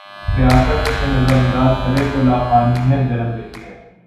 ریاست اسے نظر انداز کرے تولاقانونیت جنم لیتی ہے۔